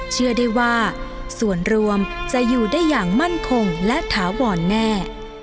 เชื่อได้ว่าส่วนรวมจะอยู่ได้อย่างมั่นคงและถาวรแน่